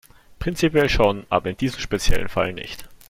Prinzipiell schon, aber in diesem speziellen Fall nicht.